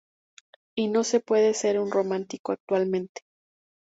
Y no se puede ser un romántico actualmente.